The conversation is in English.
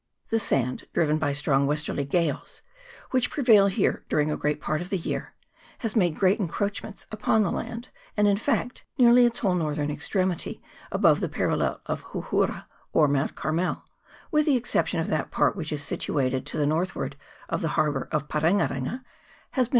The sand, driven by strong westerly gales, which prevail here during a great part of the year, has made great encroachments upon the land, and in fact nearly its whole northern extremity above the parallel of Houhoura or Mount Carmel with the exception of that part which is situated to the northward of the harbour of Parenga renga has been over CHAP.